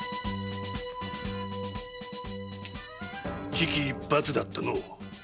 危機一髪だったのう。